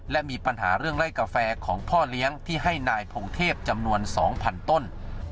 และมีปัญหาเรื่องไล่กาแฟของพ่อเลี้ยงที่ให้นายพงเทพจำนวน๒๐๐๐ต้น